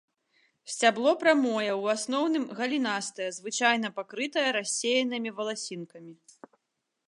Сцябло прамое, у асноўным галінастае, звычайна пакрытае рассеянымі валасінкамі.